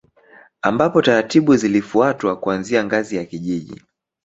Ambapo taratibu zilifuatwa kuanzia ngazi ya kijiji